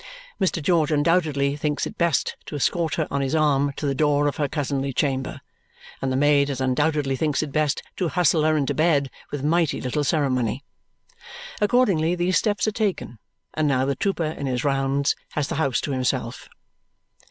Mr. George undoubtedly thinks it best to escort her on his arm to the door of her cousinly chamber, and the maid as undoubtedly thinks it best to hustle her into bed with mighty little ceremony. Accordingly, these steps are taken; and now the trooper, in his rounds, has the house to himself.